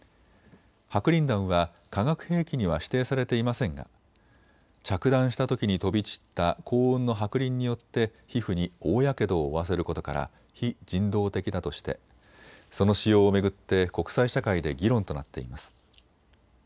白リン弾は化学兵器には指定されていませんが着弾したときに飛び散った高温の白リンによって皮膚に大やけどを負わせることから非人道的だとしてその使用を巡って国際社会で議論となっています。